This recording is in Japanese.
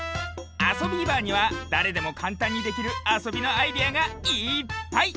「あそビーバー」にはだれでもかんたんにできるあそびのアイデアがいっぱい！